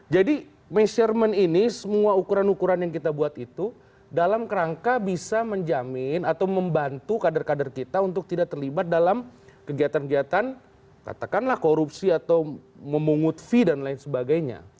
jadi measurement ini semua ukuran ukuran yang kita buat itu dalam kerangka bisa menjamin atau membantu kader kader kita untuk tidak terlibat dalam kegiatan kegiatan katakanlah korupsi atau memungut fee dan lain sebagainya